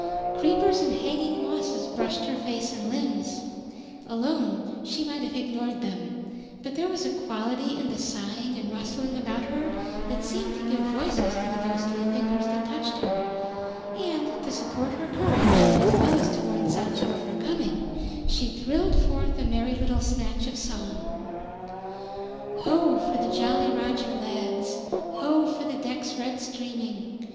Creepers and hanging mosses brushed her face and limbs; alone she might have ignored them; but there was a quality in the sighing and rustling about her that seemed to give voices to the ghostly fingers that touched her, and to support her courage as well as to warn Sancho of her coming, she thrilled forth a merry little snatch of song: "Ho! for the Jolly Roger lads; Ho! for the decks red streaming.